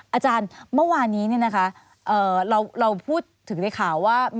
อาจารย์เมื่อวานนี้เราพูดถึงในข่าวว่า